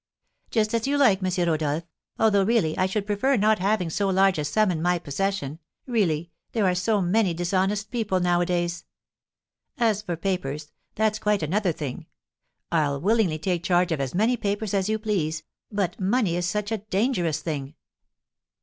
"Just as you like, M. Rodolph, although really I should prefer not having so large a sum in my possession, really there are so many dishonest people nowadays! As for papers, that's quite another thing; I'll willingly take charge of as many papers as you please, but money is such a dangerous thing!"